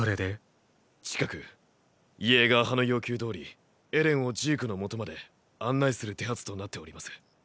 近くイェーガー派の要求どおりエレンをジークのもとまで案内する手はずとなっております。